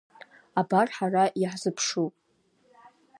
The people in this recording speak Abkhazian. Абар ҳара иаҳзыԥшу!